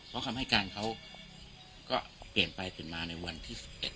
เพราะคำให้การเขาก็เปลี่ยนไปเปลี่ยนมาในวันที่๑๑